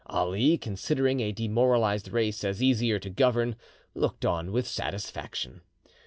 Ali, considering a demoralised race as easier to govern, looked on with satisfaction.